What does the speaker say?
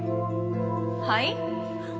はい？